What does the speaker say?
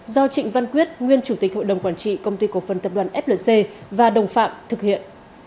do trịnh văn quyết nguyên chủ tịch hội đồng quản trị công ty cổ phần tập đoàn flc và đồng phạm thực hiện